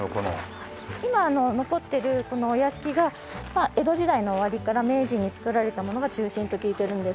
今残ってるこのお屋敷が江戸時代の終わりから明治に造られたものが中心と聞いてるんですけど。